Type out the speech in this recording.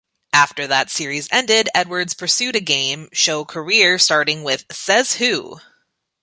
After that series ended, Edwards pursued a game show career, starting with Says Who?